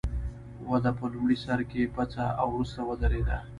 وده په لومړي سر کې پڅه او وروسته ودرېده.